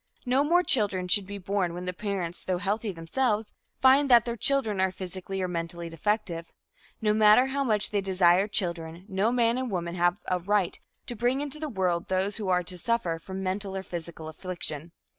No more children should be born when the parents, though healthy themselves, find that their children are physically or mentally defective. No matter how much they desire children, no man and woman have a right to bring into the world those who are to suffer from mental or physical affliction.